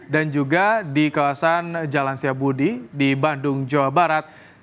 dan juga di kawasan jalan setiabun di bandung jawa barat